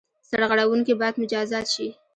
سرغړوونکي باید مجازات شي.